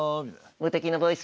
「無敵のボイス」